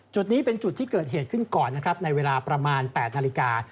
จุดนี้เป็นจุดที่เกิดเหตุขึ้นก่อนนะครับในเวลาประมาณ๘นาฬิกา